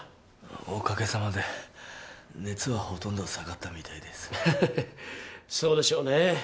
おかげさまで熱はほとんど下がったみたいですそうでしょうね